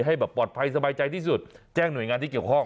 ให้แบบปลอดภัยสบายใจที่สุดแจ้งหน่วยงานที่เกี่ยวข้อง